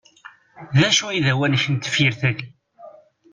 D acu i d awanek n tefyir-agi?